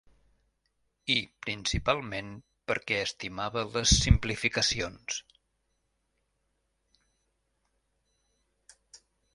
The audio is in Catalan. I, principalment, perquè estimava les simplificacions.